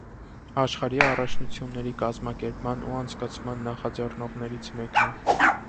Աշխարհի առաջնությունների կազմակերպման ու անցկացման նախաձեռնողներից մեկն է։